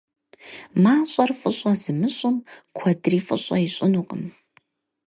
МащӀэр фӀыщӀэ зымыщӀым куэдри фӀыщӀэ ищӀынукъым.